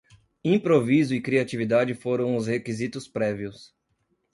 Improviso e criatividade foram os requisitos prévios